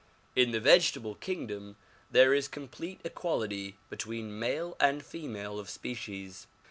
In the vegetable kingdom there is complete equality between male and female of species.